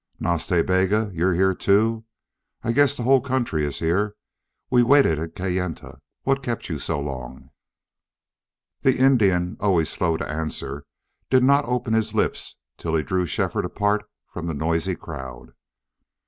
"Nas Ta Bega! you here, too. I guess the whole country is here. We waited at Kayenta. What kept you so long?" The Indian, always slow to answer, did not open his lips till he drew Shefford apart from the noisy crowd.